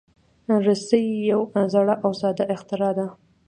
رسۍ یو زوړ او ساده اختراع ده.